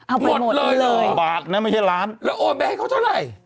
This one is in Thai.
เอาหมดเลยเลยบาทนะไม่ใช่ล้านแล้วโอนไปให้เขาเท่าไหร่